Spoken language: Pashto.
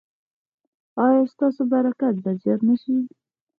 ایا ستاسو برکت به زیات نه شي؟